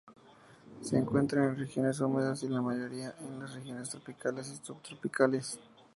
Se encuentran en regiones húmedas y la mayoría en las regiones tropicales y subtropicales.